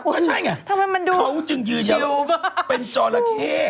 ก็ใช่ไงเขาจึงยืนยันว่าเป็นจอราเข้